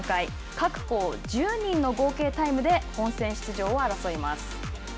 各校１０人の合計タイムで本選出場を争います。